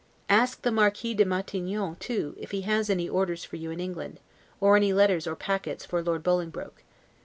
Ask the Marquis de Matignon too, if he has any orders for you in England, or any letters or packets for Lord Bolingbroke.